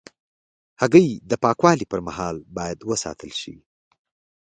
هګۍ د پاکوالي پر مهال باید وساتل شي.